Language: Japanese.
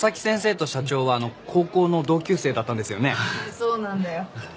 そうなんだよ。